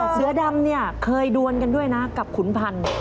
เสือดำเนี่ยเคยดวนกันด้วยนะกับขุนพันธ์